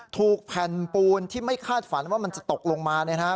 ถูกแผ่นปูนที่ไม่คาดฝันว่ามันจะตกลงมาเนี่ยนะฮะ